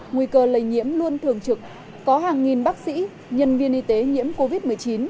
nguy cơ lây nhiễm luôn thường trực có hàng nghìn bác sĩ nhân viên y tế nhiễm covid một mươi chín